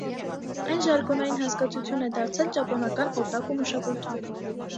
Այն ժարգոնային հասկացություն է դարձել ճապոնական օտակու մշակույթում։